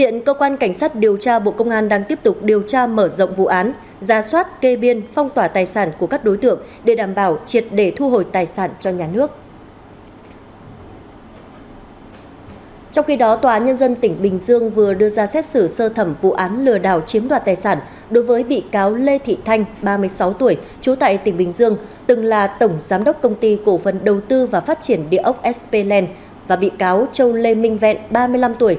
sau khi viện kiểm sát nhân dân tối cao phê chuẩn cơ quan cảnh sát điều tra bộ công an đã thi hành các quyết định lệnh nêu trên theo đúng quyết định của pháp luật